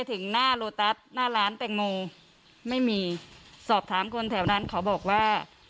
ถึงหน้าโลตัสหน้าร้านแตงโมไม่มีสอบถามคนแถวนั้นเขาบอกว่า